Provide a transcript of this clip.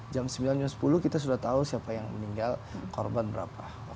jam sembilan jam sepuluh kita sudah tahu siapa yang meninggal korban berapa